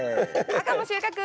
赤も収穫。